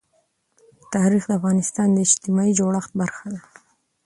تاریخ د افغانستان د اجتماعي جوړښت برخه ده.